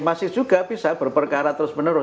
masih juga bisa berperkara terus menerus